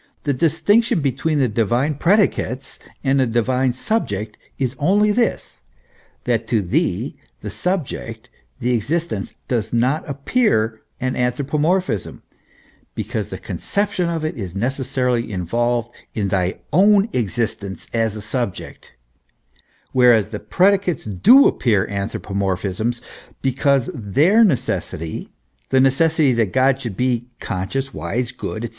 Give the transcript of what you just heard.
The distinction between the divine predicates and the divine subject is only this, that to thee the subject, the existence, does not appear an anthropomorphism, because the conception of it is necessarily involved in thy own exist ence as a subject, whereas the predicates do appear anthropo morphisms, because their necessity the necessity that God should be conscious, wise, good, &c.